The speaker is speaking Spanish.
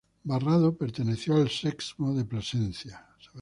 Barrado perteneció al Sexmo de Plasencia.